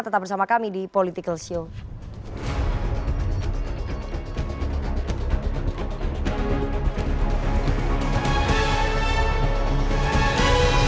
tetap bersama kami di politikalshow